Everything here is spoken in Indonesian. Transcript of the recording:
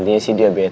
intinya dia bete mon